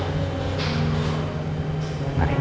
mengenai kondisi catherine